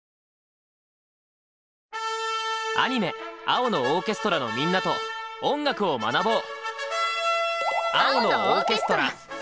アニメ「青のオーケストラ」のみんなと音楽を学ぼう！